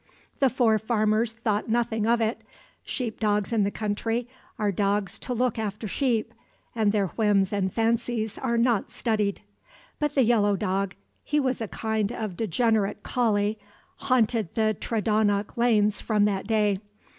The four farmers thought nothing of it; sheepdogs in the country are dogs to look after sheep, and their whims and fancies are not studied. But the yellow dog—he was a kind of degenerate collie—haunted the Tredonoc lanes from that day.